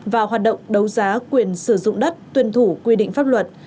và hoạt động đấu giá quyền sử dụng đất tuân thủ quy định pháp luật